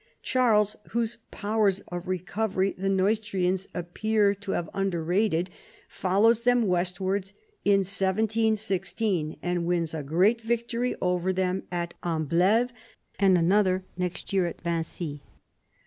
Charles, whose powers of re covery the Neustrians appear to have under rated, follows them westwards in 716 and wins a great victory over them at Ambleve and another next year at Vincy.